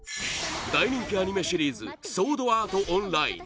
大人気アニメシリーズ「ソードアート・オンライン」